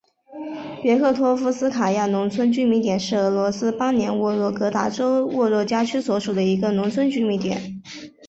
别克托夫斯卡亚农村居民点是俄罗斯联邦沃洛格达州沃热加区所属的一个农村居民点。